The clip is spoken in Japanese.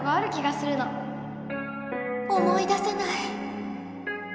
思い出せない。